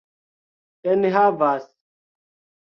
enhavas